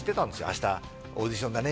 「明日オーディションだね」